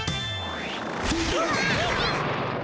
うわ。